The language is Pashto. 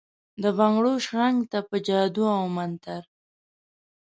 دبنګړو شرنګ ته ، په جادو اومنتر ،